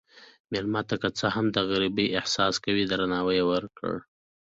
مېلمه ته که څه هم د غریبۍ احساس کوي، درناوی ورکړه.